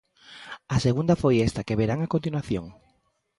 A segunda foi esta que verán a continuación.